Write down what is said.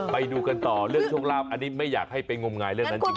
ไปดูกันต่อเรื่องโชคลาภอันนี้ไม่อยากให้ไปงมงายเรื่องนั้นจริง